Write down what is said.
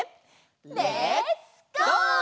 レッツゴー！